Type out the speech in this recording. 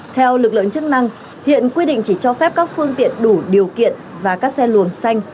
theo lực lượng chức năng hiện quy định chỉ cho phép các phương tiện đủ điều kiện và các xe luồng xanh